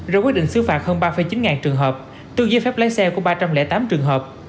rồi quyết định xứ phạt hơn ba chín ngàn trường hợp tương giấy phép lái xe của ba trăm linh tám trường hợp